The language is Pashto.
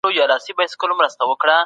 شیعه مسلمانان خپل ځانګړي باورونه لري.